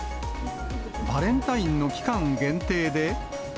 バレンタインの期間限定で。